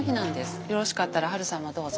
よろしかったらハルさんもどうぞ。